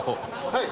はい。